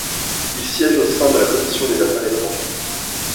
Il siège au sein de la commission des affaires étrangères.